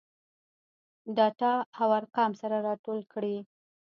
ډاټا او ارقام سره راټول کړي.